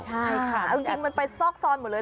ใช่ค่ะเอาจริงมันไปซอกซอนหมดเลย